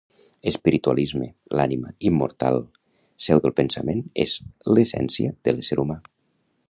Espiritualisme: l'ànima, immortal, seu del pensament, és l'essència de l'ésser humà.